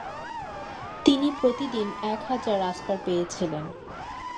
তিনি প্রতিদিন এক হাজার আসপার পেয়েছিলেন।